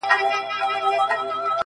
• له جاپان تر اروپا مي تجارت دی -